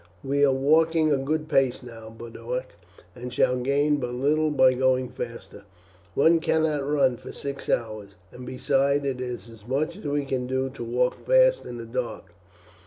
"We are walking a good pace now," Boduoc said, "and shall gain but little by going faster. One cannot run for six hours; and besides it is as much as we can do to walk fast in the dark.